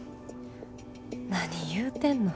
何言うてんの。